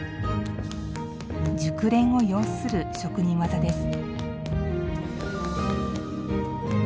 熟練を要する職人技です。